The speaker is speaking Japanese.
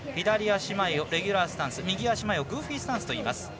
左足前をレギュラースタンス右足前をグーフィースタンスといいます。